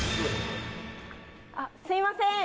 あっすいません